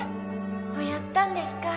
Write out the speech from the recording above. ほやったんですか